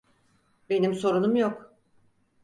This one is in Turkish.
Benim sorunum yok.